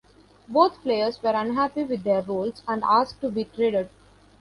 Both players were unhappy with their roles and asked to be traded.